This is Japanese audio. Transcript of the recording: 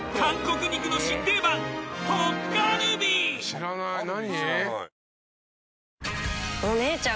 知らない何？